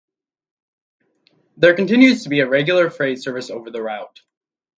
There continues to be regular freight service over the route.